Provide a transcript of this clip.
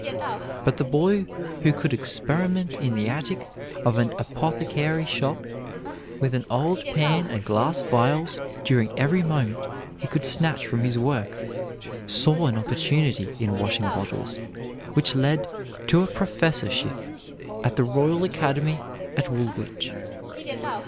But the boy who could experiment in the attic of an apothecary shop with an old pan and glass vials during every moment he could snatch from his work saw an opportunity in washing bottles, which led to a professorship at the Royal Academy at Woolwich.